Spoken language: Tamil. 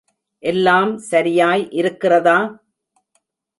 எல்லாம் சரியாய் இருக்கிறதா?